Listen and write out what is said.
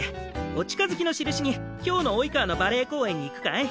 お近づきのしるしに今日の「生川」のバレエ公演に行くかい？